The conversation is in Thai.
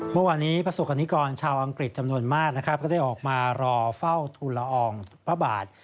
เมื่อวานนี้ประสบกรณิกรชาวอังกฤษจำนวนมากนะครับก็ได้ออกมารอเฝ้าทุลอองพระบาท